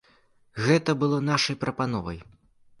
Гэта было нашай прапановай.